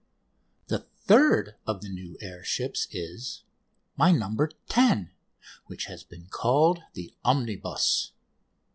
The third of the new air ships is My "No. 10," which has been called "The Omnibus."